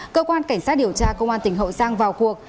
cơ quan cảnh sát điều tra công an tỉnh hậu giang vào cuộc